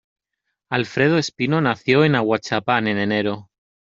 Alfredo Espino nació en Ahuachapán en enero.